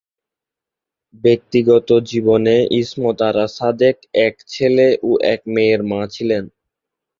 ব্যক্তিগত জীবনে ইসমত আরা সাদেক এক ছেলে ও এক মেয়ের মা ছিলেন।